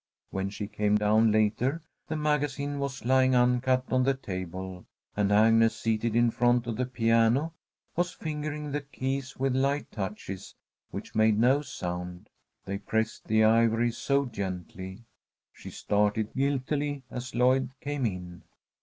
When she came down later, the magazine was lying uncut on the table, and Agnes, seated in front of the piano, was fingering the keys with light touches which made no sound, they pressed the ivory so gently. She started guiltily as Lloyd came in.